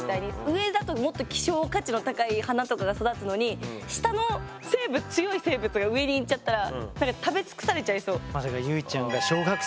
上だともっと希少価値の高い花とかが育つのに下の生物強い生物が上に行っちゃったら食べ尽くされちゃいそう。